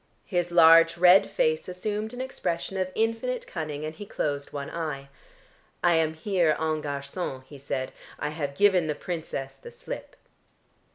His large red face assumed an expression of infinite cunning, and he closed one eye. "I am here en garçon," he said. "I have given the Princess the slip.